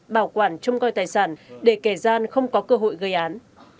bảo quản trông coi tài sản để kẻ gian không có cơ hội gây án